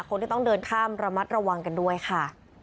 คนที่ต้องเดินข้ามระมัดระวังกันด้วยค่ะ